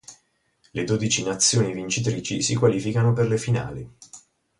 Le dodici nazioni vincitrici si qualificano per le finali.